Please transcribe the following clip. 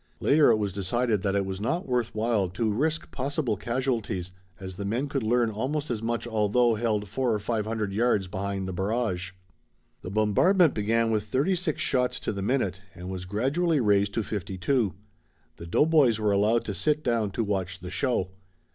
Later it was decided that it was not worth while to risk possible casualties, as the men could learn almost as much although held four or five hundred yards behind the barrage. The bombardment began with thirty six shots to the minute and was gradually raised to fifty two. The doughboys were allowed to sit down to watch the show.